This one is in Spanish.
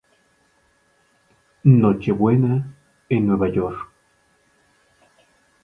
Nochebuena en Nueva York.